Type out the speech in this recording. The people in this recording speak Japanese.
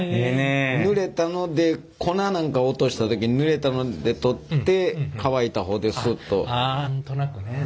ぬれたので粉なんか落とした時にぬれたので取って乾いた方でスッと。